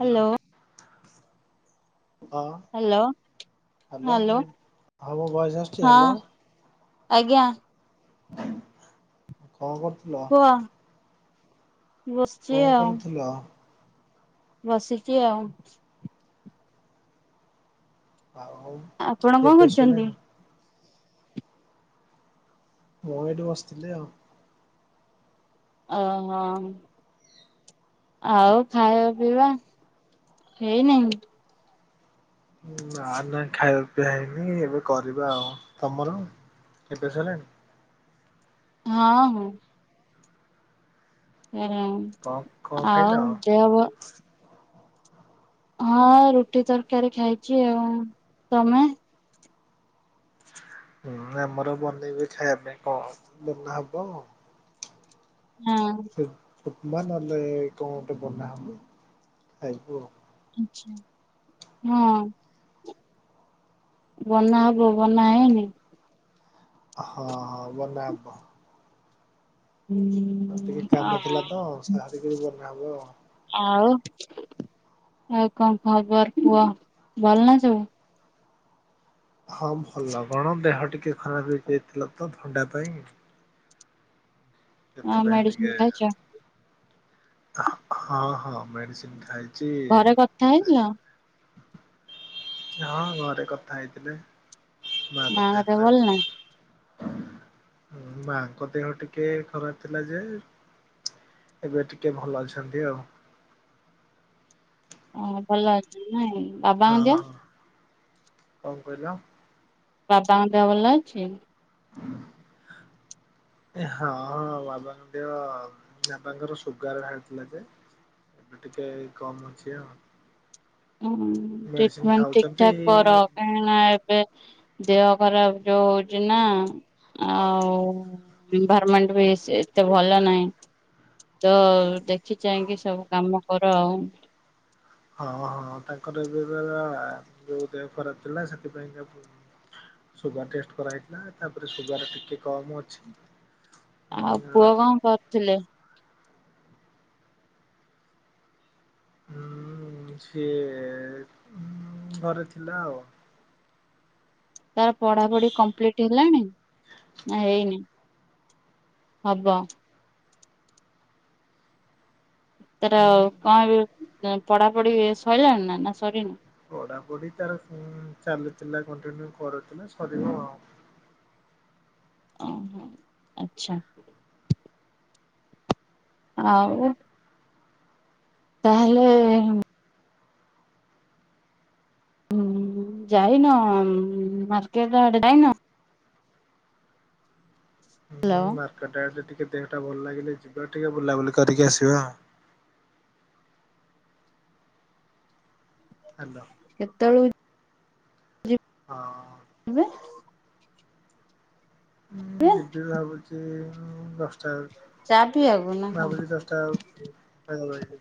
ଆଜ୍ଞା। ହ୍ୟାଲୋ ହଁ। Hello hello hello ମୁଁ ହଁ ମୋ ଭଏସ ଆସୁଚି ହଁ ହ୍ୟାଲୋ? ଆଜ୍ଞା। କଣ କରୁଥିଲ? ହଁ ଏଇ କଣ ବସିଛି ଆଉ। [unintelligible] ବସିଚି ଆଉ। ଆଉ ଆପଣ ଖିଆ କଣ ପିଆ କରୁଛନ୍ତି? ସଇଲାଣି ମୁଁ ଏଇଠି ବସିଥିଲି ଆଉ। ଆ ହଉ। ଆଉ ଖାଇବା ପିଇବା ହେଇନାଇ? ନା ନା ଖାଇବା ପିଇଆ ହେଇନି ଏବେ କରିବା ଆଉ। ତମର? ଖିଆପିଆ ସଇଲାଣି? ହଁ ହଁ। ହୁଁ କଣ କଣ ଖାଇଲ? ଆଉ ଦେହ ଭଲ୍ ହଁ ରୁଟି ତରକାରୀ ଖାଇଚି ଆଉ। ତମେ? ହୁଁ ଆମର ବନେଇ ବି ଖାଇବା ପାଇଁ କଣ ବନା ହବ? ହଁ। ସେ ଉପମା ନହେଲେ କଣ ଗୋଟେ ବନା ହେବ ଖାଇବ ଆଉ। ଆଛା ହଁ। ବନା ହବ ବନା ହେଇନି? ହଁ ହଁ ବନାହବ। ହୁଁ। ଆଉ ଟିକେ କାମ ଥିଲା ତ ସାରିକରି ବନା ହବ ଆଉ। ଆଉ, ଆଉ କଣ ଖବର କୁହ ଭଲ ନା ସବୁ। ହଁ ଭଲ କଣ? ଦେହ ଟିକେ ଖରାପ ହେଇଯାଇଥିଲା ତ ଥଣ୍ଡା ପାଇଁ। ଆଉ ସେଥିପାଇଁ ମେଡିସିନ ଟିକେ, ଖାଇଛ ହଁ ହଁ ମେଡିସିନ୍ ଖାଇ ଘରେ କଥା ହେଇଥିଲ? ହଁ ଘରେ କଥା ହେଇଥିଲେ, ମା ମାଙ୍କ କଥା ଦେହ ଭଲ ନା? ହେଇଥିଲା। ମାଙ୍କ ଦେହ ଟିକେ ଖରାପ ଥିଲା ଯେ ଏବେ ଟିକେ ଭଲ ଅଛନ୍ତି ଆଉ। ଅଁ ଭଲ ଅଛନ୍ତି ନାଇଁ? ହଁ ବାବାଙ୍କ ଦେହ ହଁ କଣ କହିଲ? ବାପାଙ୍କ ଦେହ ଭଲ ଅଛି? ଏ ହଁ ହଁ ବାବାଙ୍କ ଦେହ ବାବାଙ୍କର ସୁଗାର ବାହାରି ଥିଲା ଯେ। ଆ ଟିକେ କମ୍ ଅଛି ଆଉ। ହଁ ମେଡିସିନ ଟ୍ରିଟମେଣ୍ଟ ଠିକ୍ ଠାକ୍ କର। ଖାଉଛନ୍ତି। କାଇଁକି ନା ଏବେ ଦେହ ଖରାପ ଯୋଉ ହଉଚି ନା। ଆଉ ଏନଭାରମେଣ୍ଟ ବିଶେଷ ଏତେ ଭଲ ନାହିଁ। ତ ଦେଖି ଚାହିଁକି ସବୁ କାମ କର ଆଉ। ହଁ ହଁ ହଁ ହଁ ତାଙ୍କର ଏ ଯୋଉ [unintelligible] ଏ ଦେହ ଖରାପ ଥିଲା ସେଥିପାଇଁ କା [unintelligible] ସୁଗାର ଟେଷ୍ଟ କରାହେଇଥିଲା, ତାପରେ ସୁଗାର ଟିକେ କମ୍ ଅଛି। ଆଉ ପୁଅ କଣ କରୁଥିଲେ? ହୁଁ ସିଏ ଘରେ ଥିଲା ଆଉ। ତାର ପଢାପଢି କମ୍ପ୍ଲିଟ ହେଲାଣି ନା ହେଇନି? ହବ। ତାର କଣ ଏବେ ପଢାପଢି ସଇଲାଣି ନା? ନା ସରିନି? ପଢା ପଢି ତାର ଉଁ ଚାଲୁଥିଲା କଣ୍ଟିନ୍ୟୁ କରୁଥିଲା ସରିବ ଆଉ। ଓହୋ, ଆଚ୍ଛା। ଆଉ। ତାହେଲେ। ହୁଁଁ। ଯାଇନ? ମାର୍କେଟ ଆଡେ ଯାଇନ? ହୁଁ ହ୍ୟାଲୋ ମାର୍କେଟ ଆଡେ ଟିକେ ଦେହଟା ଭଲ ଲାଗିଲେ ଯିବା। ଟିକେ ବୁଲାବୁଲି କରିକି ଆସିବା। ମାଲୋ। କେତବେଳକୁ ଯିବା। ହଁ। ଏବେ। ମୁଁ ଏବେ ଯିବି ଭାବୁଚି ଉମ୍ ଦଶଟା ବେଳେ। ଚା ପିଇବାକୁ ନା କଣ? ଭାବୁଚି ଦଶଟା ବେଳୁକୁ।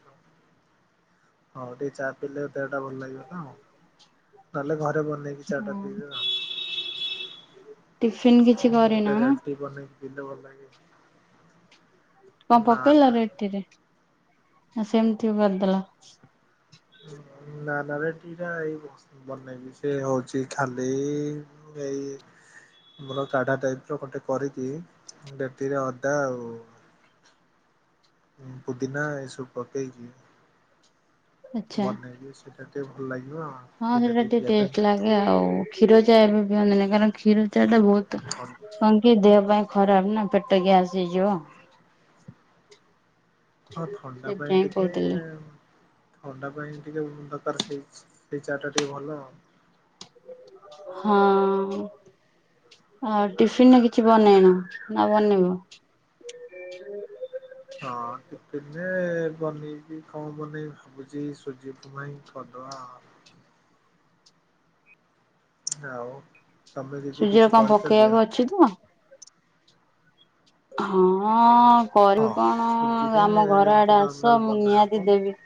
[inaudible] ହଁ, ଟିକେ ଚା ପିଲେ ଦେହ ଟା ଭଲ ଲାଗିବ ତ। ନହେଲେ ଘରେ ବନେଇକି ଚା ଟା ପିଇବେ। ଆଉ। ଟିଫିନ୍ କିଛି ଗୋଟେ କରିନ ରେଡ୍ ନା? ଟି ବନେଇ ପିିଇଲେ ଭଲ ଲାଗେ। କଣ ନା ପକେଇଲ ନା। ରେଡ୍ ଟିରେ ନା ସେମତି କରିଦେଲ? ନା ନା ରେଡ୍ ଟି ଟା ଏଇ ବସ ବନେଇବି ସେ ହଉଛି ଖାଲି ଏଇ ମୋର କାଢା ଟାଇପ୍ ର ଗୋଟେ କରିକି ରେଡ୍ ଟି ରେ ଅଦା ଆଉ ଉଁ, ପୁଦିନା ଏସବୁ ପକେଇକି ଆଚ୍ଛା। ବନେଇବି ସେ ସେ ଟିକେ ଭଲ ଲାଗିବ। ହଁ ସେଇଟା ଟିକେ ଟେଷ୍ଟ ଲାଗେ। ଆଉ କ୍ଷୀର ଚା ଏବେ ପିଅନ୍ତିନି। କାରଣ କ୍ଷୀର ଚା ଟା ବହୁତ ଛନ୍ କନ୍ କି ଦେହ ପାଇଁ ଖରାପ ନା ପେଟ ଗ୍ୟାସ୍ ହେଇଯିବ। ହଁ ଥଣ୍ଡା ପାଇଁ ସେଥିପାଇଁ ଟିକେ କହୁଥିଲି। ଥଣ୍ଡା ପାଇଁ ଟିକେ ଦରକାର ସେଇ ସେଇ ଚା ଟା ଟିକେ ଭଲ। ହଁ। ଆର ଟିଫିନ୍ ରେ କିଛି ବନେଇନ ନା ବନେଇବ? [unintelligible] ହଁ ଟିଫିନ୍ ରେ ବନେଇବି କଣ ବନେଇବା। ଭାବୁଚି ସୁଜି ଉପମା ହିଁ କରଦବା। ଆଉ ତୋମେ ଯଦି କିଛି କରିଚ ଦିଅ। [unintelligible] ଆଁ, ହଁ ହଁ କରିବି କଣ, ସୁଜିରେ ଆମ ଘର ଯେମିତି ଆଡେ ଆସ ନର୍ମାଲ ମୁଁ ନିହାତି ବନାହବ ଦେବି।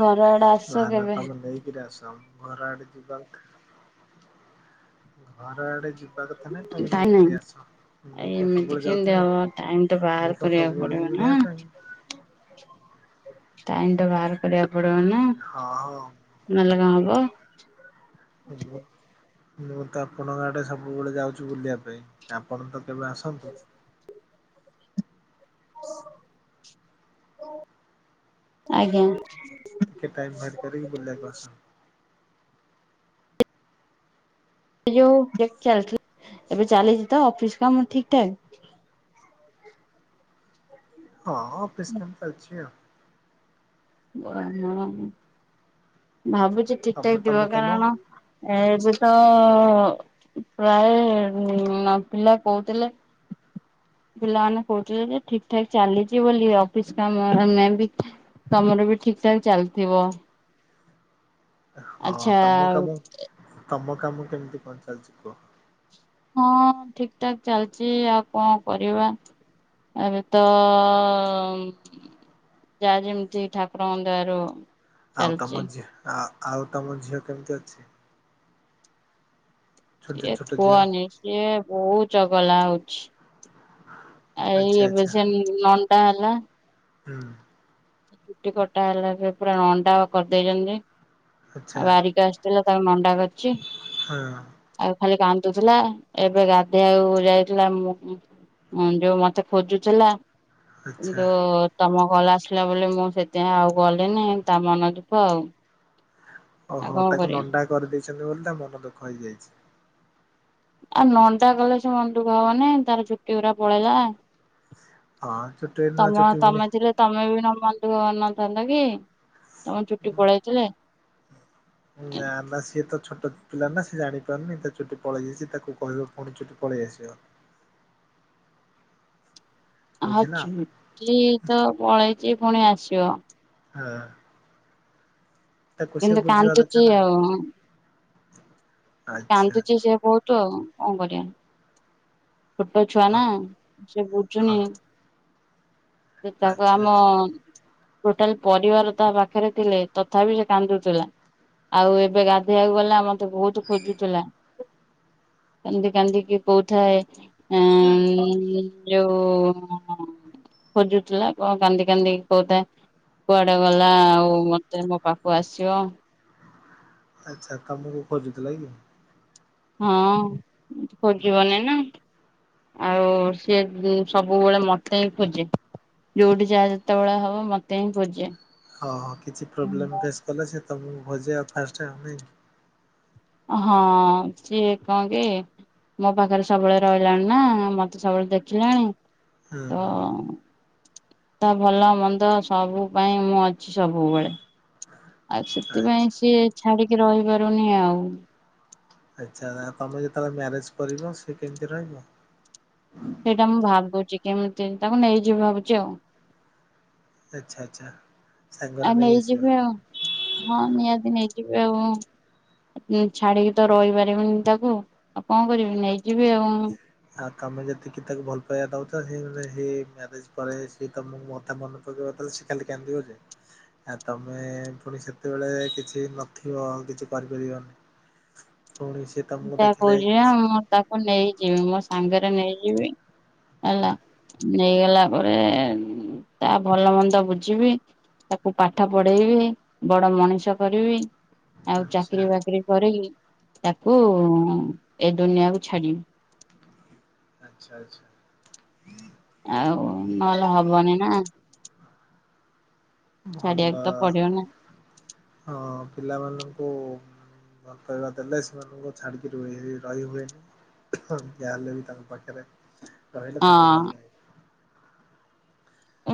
ଘର ଆଡେ ଆସ ନା ନା କେବେ ତୋମେ ନେଇକିରି ଆସ। ଘର ଆଡେ ଯିବା କଥା, ଘର ଆଡେ ଯି ବା କଥା ନାଇଁ, ତୋମେ ଟାଇମ୍ ନେଇକିରି ନାହିଁ। ଆସ, ମୁଁ କଣ ଏମିତି ସବୁବେଳେ କେମିତି ଯାଉଥିବି। ହବ ଟାଇମ୍ ତ ବାହାର ମୁଁ ତ କରିବାକୁ ସବୁବେଳେ ପଡିବ ନା। ଯିବି [unintelligible] ପାଇଁ। ଟାଇମ୍ ଟା ବାହାର କରିବାକୁ ପଡିବ ନା। ହଁ ନଲେ କଣ ହବ? ଥିବୁ। ମୁଁ ତ ଆପଣଙ୍କ ଆଡେ ସବୁବେଳେ ଯାଉଛୁ ବୁଲିବା ପାଇଁ। ଆପଣ ତ କେବେ ଆସନ୍ତୁ। ଆଜ୍ଞା। ଟିକେ ଟାଇମ୍ ବାହାର କରିକି ବୁଲିବାକୁ ଆସ। ଏ ଯୋଉ ଦେଖିଆ [unintelligible] ଏବେ ଚାଲିଚି ତ ଅଫିସ୍ କାମ ଠିକଠାକ୍? ହଁ, ହଁ ଅଫିସ୍ କାମ ଚାଲଛି ଆଉ। [unintelligible] ଭାବୁଚି ତମେ ଠିକଠାକ ତମ ଥିବ। କାମ କାରଣ ଏବେ ସେ ତ ପ୍ରାୟେ ମୋ ପିଲା କଉତିଲେ ପିଲାମାନେ କହୁଥିଲେ ଯେ, ଠିକ୍ ଠାକ୍ ଚାଲିଚି ବୋଲି ଅଫିସ୍ କାମ। ଆ, ମେ ବି ତୋମର ବି ଠିକ୍ ଠାକ୍ ଚାଲିଥିବ। ହଁ ଆଚ୍ଛା ତୋମ କାମ, ତୋମ କାମ କେମତି କଣ ଚାଲିଛି କୁହ? ହଁ ଠିକ୍ ଠାକ୍ ଚାଲିଚି ଆଉ କଣ କରିବା। ଏବେ ତ ଉଁ, ଯାହା ଯେମତି ଠାକୁରଙ୍କ ଦୟା ରୁ ଆଉ ତୋମ ଝି- ଆ, ଆଉ ତୋମ ଝିଅ କେମିତି ଅଛି? ଛୋଟ ସିଏ ଛୋଟ ଝିଅ କୁଅନି ସିଏ ବହୁ ଚଗଲା ହଉଛି। ଏଇ ଆଚ୍ଛା ଏବେ ଆଚ୍ଛା ସେ ନଣ୍ଡା ହେଲା। ହୁଁ। ତା ଚୁଟି କଟା ହେଲା ସେ ପୁରା ନଣ୍ଡା କରିଦେଇଚନ୍ତି। ଆଚ୍ଛା ଆଉ ବାରିକ ଆସିଥିଲା ତାକୁ ନଣ୍ଡା କରିଚି। ହଁ ଆଉ ଖାଲି କାନ୍ଦୁଥିଲା ଏବେ ଗାଧେଇଆକୁ ଯାଇଥିଲା ମୁ ମୁ। ଉଁ ଯୋଉ ମତେ ଖୋଜୁଥିଲା ଉଁ ଆଚ୍ଛା। ଯୋଉ ତମ ଗଲା ଥିଲା ବୋଲି ମୁଁ ସେଥିପାଇଁ ଆଉ ଗଲି ନାହିଁ ତା ମନ ଦୁଃଖ ଆଉ। ଆଉ ଓହୋ କଣ ତାକୁ କରିବା ନଣ୍ଡା କରିଦେଇଛନ୍ତି ବୋଲି ତା ମନ ଦୁଃଖ ହେଇଯାଇଛି। ଆଉ ନଣ୍ଡା କଲେ ସେ ମନ ଦୁଖ ହବନା ତାର ଚୁଟି ଗୁରା ପଳେଇଲା। ହଁ ଚୁଟି ନୂଆ ତମ ଚୁଟି ତମେ ପୁଣି। ଥିଲେ ତମେ ବି ନା ମନ୍ ଦୁଃଖ କରିନଥାନ୍ତ କି ତମ ଚୁଟି ପଳେଇଥିଲେ? ନା ନା ସିଏ ତ ଛୋଟ ପିଲା ନା ସିଏ ଜାଣିପାରୁନି ତା ଚୁଟି ପଳେଇଯାଇଛି ତାକୁ କହିବ ପୁଣି ଚୁଟି ପଳେଇ ଆସିବ। ହଁ ବୁଝିଲ ଚୁଟି ତ ପଳେଇଚି ପୁଣି ଆସିବ। ହଁ। ତାକୁ ସେ କିନ୍ତୁ ବୁଝିବା କାନ୍ଦୁଛି ଦରକାର। ଆଉ ଆଚ୍ଛା କାନ୍ଦୁଛି ସେ ବହୁତ ଆଉ କଣ କରିବା। ଛୋଟ ଛୁଆ ହଁ ନା ସେ ବୁଝୁନି। ହଁ। ଯେ ତାକୁ ଆଚ୍ଛା ଆମ। ଆଚ୍ଛା। ଟୋଟାଲ ପରିବାର ତା ପାଖରେ ଥିଲେ ତଥାପି ସେ କାନ୍ଦୁଥିଲା। ଆଉ ଏବେ ଗାଧେଇବାକୁ ଗଲା ମତେ ବହୁତ ଖୋଜୁଥିଲା କାନ୍ଦି କାନ୍ଦିକି କହୁଥାଏ। ଉଁ ଯୋଉ ମାମା। ଖୋଜୁଥିଲା କଣ କାନ୍ଦି କାନ୍ଦି କହୁଥା। କୁଆଡେ ଗଲା ଆଉ ମତେ ମୋ ପାଖୁ ଆସିବ। ଆଚ୍ଛା ତମକୁ ଖୋଜୁଥିଲା କି? ହଁ ଖୋଜିବନି ନା। ଆଉ ସିଏ ଯେ ସବୁବେଳେ ମତେ ହିଁ ଖୋଜେ। ଯଉଠି ଯାହା ଯେତେବେଳେ ହବ ମତେ ହିଁ ଖୋଜେ। ହଁ ହଁ କିଛି ପ୍ରୋବ୍ଲେମ୍ ଫେସ୍ କଲେ ସେ ତମକୁ ଖୋଜେ ଆଉ ଫାର୍ଷ୍ଟ ଆଉ ନାଇ କି। ଅ ହଁ ସିଏ କଣ କି। ମୋ ପାଖରେ ସବୁବେଳେ ରହିଲାଣି ନା ମତେ ସବୁବେଳେ ଦେଖିଲାଣି ହୁଁ ତ। ହୁଁ ତା ଭଲ ମନ୍ଦ ସବୁ ପାଇଁ ମୁଁ ଅଛି ସବୁବେଳେ। ଆଉ ସେଥିପାଇଁ ଆଚ୍ଛା ସିଏ ଛାଡିକି ରହିପାରୁନି ଆଉ। ଆଚ୍ଛା ଆ ତମେ ଯେତେବେଳେ ମ୍ୟାରେଜ୍ କରିବ ସେ କେମିତି ରହିବ? ସେଇଟା ମୁଁ ଭାବୁଛି କେମିତି ତାକୁ ନେଇଯିବି ଭାବୁଛି ଆଉ। ଆଚ୍ଛା ଆଚ୍ଛା ଆଉ ସାଙ୍ଗରେ ନେଇ ଆସିବ। ନେଇଯିବି ଆଉ। ହଁ ନିହାତି ନେଇଯିବି ଆଉ। ଉଁ ଛାଡିକି ତ ରହିପାରିବିନି ତାକୁ ଆଉ କଣ କରିବି ନେଇଯିବି ଆଉ। ଆଉ ତମେ ଯେତିକି ତାକୁ ଭଲ ପାଇବା ଦଉଛ ସେ ସେ ମ୍ୟାରେଜ ପରେ ସେ ତମକୁ ମତେ ମନ [unintelligible] ସିଏ ଖାଲି କାନ୍ଦିବ ଯେ। ଆ ତମେ ପୁଣି ସେତେବେଳେ କିଛି ନଥିବ ଆଉ କିଛି କରିପାରିବନି। ପୁଣି ସେ ମୁଁ ସେୟା କହୁଛି ବା ମୁଁ ତାକୁ ନେଇଯିବି ମୋ ସାଙ୍ଗରେ ନେଇଯିବି ହେଲା। ନେଇଗଲା ପରେ ଉଁ ତା ଭଲ ମନ୍ଦ ବୁଝିବି। ତାକୁ ପାଠ ପଢେଇବି ବଡ ମଣିଷ କରିବି ଆଉ ଆଚ୍ଛା ଚାକିରୀ ବାକିରି କରେଇ। କୁ ଏ ଦୁନିଆକୁୁ ଛାଡିବି। ଆଚ୍ଛା ଆଚ୍ଛା। ଆଉ ନହେଲେ ହବନି ନା। ଛାଡିବାକୁ ଭଲ ତ ପଡିବ ନା ହଁ ପିଲାମାନଙ୍କୁ। ଭଲ ପାଇବା ଦେଲେ ସେମାନଙ୍କୁ ଛାଡ଼ିକି ରୁହି ରହି ହୁଏନି। ହଁ ଯାହା ହେଲେ ବି ତାଙ୍କ ପାଖରେ ରହିଲେ ତାଙ୍କୁ ଭଲ ହଁ ଲାଗେ। ଉଁ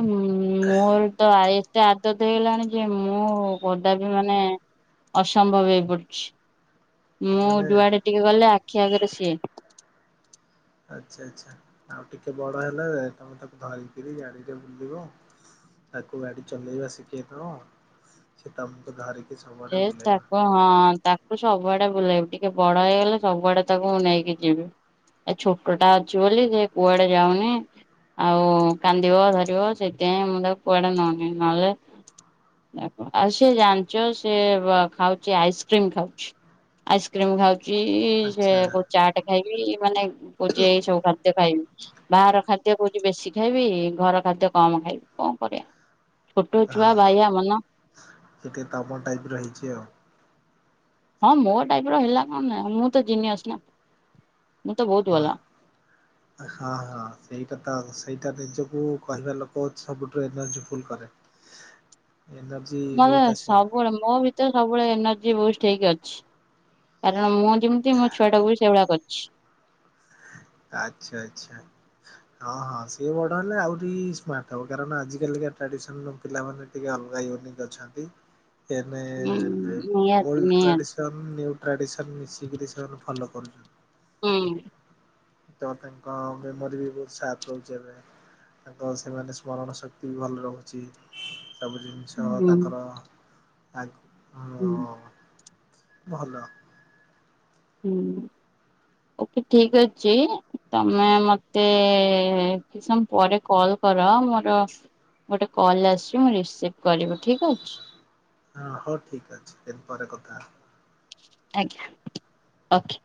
ମୋର ତ ଆ ଏତେ ଆଦତ ହେଇଗଲାଣି ଯେ ମୁଁ କଦାପି ମାନେ। ଅସମ୍ଭବ ହେଇ ପଡୁଛି ମୁଁ ମାନେ ଯୁଆଡେ ଟିକେ ଗଲେ ଆଖି ଆଗରେ ସିଏ। ଆଚ୍ଛା ଆଚ୍ଛା ଆଉ ଟିକେ ବଡ ହେଲେ ତମେ ତାକୁ ଧରିକିରି ଗାଡିରେ ବୁଲିବ ଆଉ। ତାକୁ ଗାଡି ଚଲେଇବା ଶିଖେଇଦବ ସେ ତମକୁ ଧରିକି ସବୁଆଡେ ଏ ଚା ବୁଲେଇବ କଣ? ହଁ ତାକୁ ସବୁଆଡେ ବୁଲେଇବି ଟିକେ ବଡ ହେଇଗଲେ ସବୁଆଡେ ତାକୁ ମୁଁ ନେଇକି ଯିବି। ଏ ଛୋଟଟା ଅଛି ବୋଲି ସେ କୁଆଡେ ଯାଉନି। ଆଉ କାନ୍ଦିବ ଧରିବ ସେଥିପାଇଁ ମୁଁ ତାକୁ କୁଆଡେ ନଉନି ନହେଲେ ଦେଖ ଆଉ ସିଏ ଜାଣିଛ। ସେ ଖାଉଛି ଆଇସ୍କ୍ରିମ ଖାଉଛି ଆଇସ୍କ୍ରିମ ଖାଉଛି ସେ ଆଚ୍ଛା କ ଚାଟ ଖ ଖାଇକି ମାନେ ପୋଜି ଯାଇ ସବୁ ଖାଦ୍ୟ ଖାଇବି [unintelligible] ବାହାର ଖାଦ୍ୟ କହୁଛିି ବେଶୀ ଖାଇବି ଘର ଖାଦ୍ୟ କମ ଖାଇବି କଣ କରିବା। ଛୋଟୋଛୁଆ ବାଇଆ ମନ। ଏଠି ତାପ ଟାଇପ ରହିଛି ଆଉ। ହଁ ମୋ ଟାଇପ ର ହେଲା କଣ ନାହିଁ ମୁଁ ତ ଜିନିଅସ ନା ମୁଁ ତ ବହୁତ ହଁ ଭଲ। ହଁ ହଁ ସେଇଟା ତ ସେଇଟା ନିଜକୁ କହିବା ଲୋକ ସବୁଠୁ ଏନର୍ଜିଫୁଲ କରେ। ଏ। ମତେ ସବୁବେଳେ ମୋ ଭ ତ ସବୁବେଳେ ଏନର୍ଜି ବୁଷ୍ଟ ହେଇକି ଅଛି କାରଣ ମୁଁ ଯେମିତି ମୋ ଛୁଆଟାକୁ ବି ସେଇଭଳିଆ କରିଛି। ଆଚ୍ଛା ଆ୍ଛ। ହଁ ହଁ ସିଏ ବଡ ହେଲେ ଆହୁରି ସ୍ମାର୍ଟ ହବ କାରଣ ଆଜିିକାା ଟ୍ରାଡିସନ ପିଲାମାନେ ଟିକେ ଅଲଗା ୟୁନିକ୍ ଅଛନ୍ତି ଟିକିଏ ହୁଁ ନିହାତି ଅଲଡ ନିହାତି। ଟ୍ରାଡିସନ୍‌। ସେମାନେ ନ୍ୟୁ ଟ୍ରାଡ଼ିସନ୍ ମିଶିକିରି ସେମାନେ ଫଲୋ କରୁଛନ୍ତି। ହୁଁ। ତଙ୍କା ମେମରି ବି ବହୁତ ସାତ ଲ ଚଲରେ। ତାଙ୍କ ସେମାନେ ସ୍ମରଣ ଶକ୍ତି ବି ଭଲ ରହୁଛି ସବୁ ଜିନି ଜଣିଷ ହୁଁ ତାଙ୍କର ଆ ଭଲ। ହୁଁ ଓକେ ଠିକ ଅଛି ତମେ ମତେ କି ସମ ପରେ କଲ କର ମୋର ଗୋଟେ କଲ୍ ଆସିବି ମୁଁ ରିସିଭ୍ କରିବି ଠିକ୍ ଅଛି। ହଁ ହଉ ଠିକ ଅଛି ଦିନ ପରେ କଥା। ଆଜ୍ଞା ଓକେ।